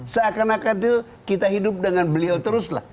seakan akan itu kita hidup dengan beliau terus lah